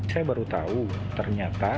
saya baru tahu ternyata